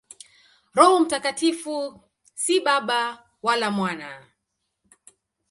Roho Mtakatifu si Baba wala Mwana.